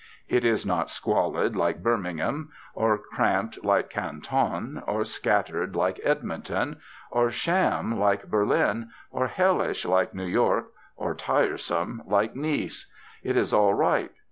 It is not squalid like Birmingham, or cramped like Canton, or scattered like Edmonton, or sham like Berlin, or hellish like New York, or tiresome like Nice. It is all right.